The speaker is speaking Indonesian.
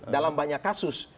dalam banyak kasus